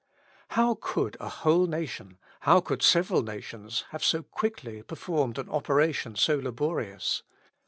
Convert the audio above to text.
How could a whole nation, how could several nations, have so quickly performed an operation so laborious?